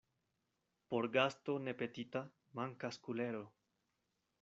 Por gasto ne petita mankas kulero.